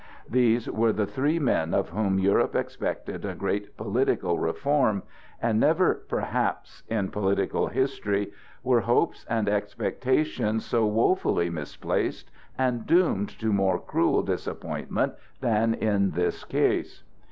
These were the three men of whom Europe expected a great political reform, and never perhaps, in political history, were hopes and expectations so woefully misplaced and doomed to more cruel disappointment than in this case.